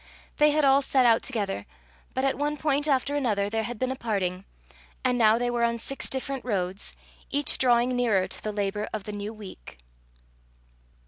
They had all set out together, but at one point after another there had been a parting, and now they were on six different roads, each drawing nearer to the labour of the new week.